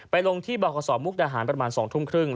ไปลงที่บริษัทมุกตาหารประมาณ๒ทุ่มครึ่ง